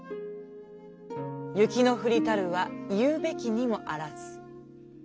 雪の降りたるはいふべきにもあらず。